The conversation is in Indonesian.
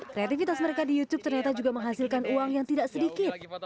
kreativitas mereka di youtube ternyata juga menghasilkan uang yang tidak sedikit